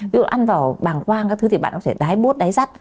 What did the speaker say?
ví dụ như ăn vào bàng quang các thứ thì bạn có thể đái bốt đái rắt